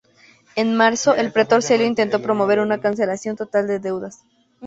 En marzo, el pretor Celio intentó promover una cancelación total de deudas.